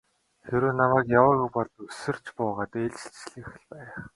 Хэрэв намайг яваагүй бол үсэрч буугаад ээлжилчих л байх.